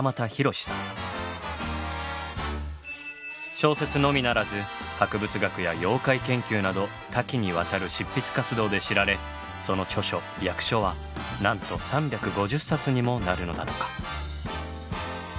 小説のみならず博物学や妖怪研究など多岐にわたる執筆活動で知られその著書・訳書はなんと３５０冊にもなるのだとか。